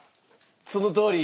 そのとおり？